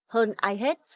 hơn ai hết